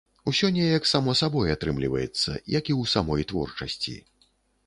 Усё неяк само сабой атрымліваецца, як і ў самой творчасці.